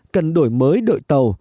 cần đổi mới đội tàu